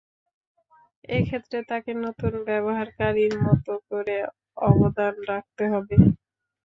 এক্ষেত্রে তাকে নতুন ব্যবহারকারীর মত করে অবদান রাখতে হবে।